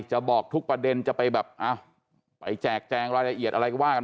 จะบอกทุกประเด็นจะไปแบบไปแจกแจงรายละเอียดอะไรก็ว่ากัน